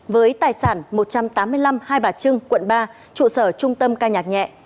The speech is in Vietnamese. với tài sản một trăm tám mươi năm hai bà trưng quận ba trụ sở trung tâm ca nhạc nhẹ